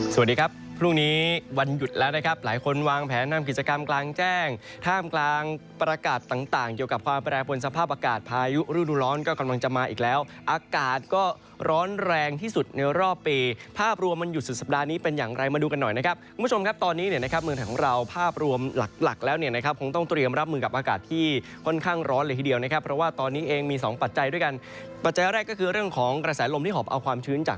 สวัสดีครับพรุ่งนี้วันหยุดแล้วนะครับหลายคนวางแผนนามกิจกรรมกลางแจ้งท่ามกลางประกาศต่างเกี่ยวกับความแปรงบนสภาพอากาศพายุรุนร้อนก็กำลังจะมาอีกแล้วอากาศก็ร้อนแรงที่สุดในรอบปีภาพรวมมันหยุดสุดสัปดาห์นี้เป็นอย่างไรมาดูกันหน่อยนะครับคุณผู้ชมครับตอนนี้เนี่ยนะครับเมืองของเราภา